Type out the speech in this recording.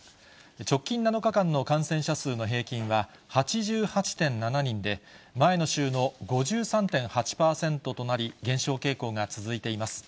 直近７日間の感染者数の平均は８８．７人で、前の週の５３．８％となり、減少傾向が続いています。